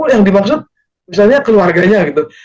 yang dimaksud misalnya keluarganya gitu